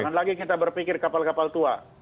jangan lagi kita berpikir kapal kapal tua